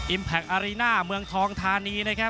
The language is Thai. แพคอารีน่าเมืองทองธานีนะครับ